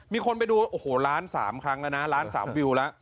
มีคนไปดูโอ้โหล้าน๓ครั้งแล้วนะล้าน๓วิวแล้ว